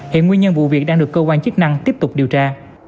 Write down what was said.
hiện nguyên nhân vụ việc đang được cơ quan chức năng tiếp tục điều tra